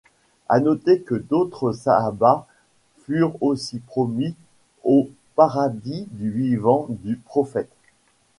À noter que d'autres sahabas furent aussi promis au paradis du vivant du Prophète.